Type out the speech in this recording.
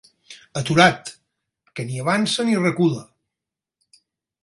Aturat, que ni avança ni recula.